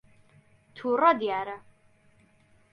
تووڕە دیارە.